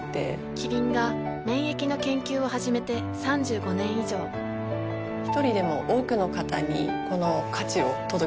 キリンが免疫の研究を始めて３５年以上一人でも多くの方にこの価値を届けていきたいと思っています。